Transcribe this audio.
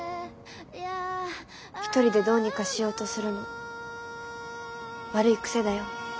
一人でどうにかしようとするの悪い癖だよ。